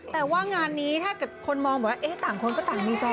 แต่ว่างานนี้ถ้าคนมองต่างคนก็ต่างดีกว่า